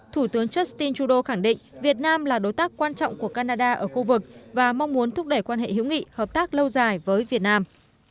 thủ tướng justin trudeau khẳng định việt nam là đối tác quan trọng của canada ở khu vực và mong muốn thúc đẩy quan hệ hữu nghị hợp tác lâu dài với việt nam